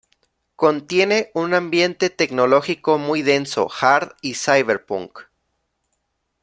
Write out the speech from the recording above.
Contiene un ambiente tecnológico muy denso, hard y ciberpunk.